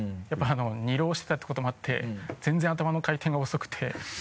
やっぱ２浪してたってこともあって全然頭の回転が遅くて。